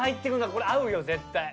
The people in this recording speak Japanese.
これ合うよ絶対。